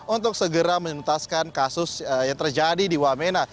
untuk segera menentaskan kasus yang terjadi di wameg